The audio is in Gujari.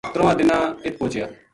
ترواں دِناں ات پوہچیا۔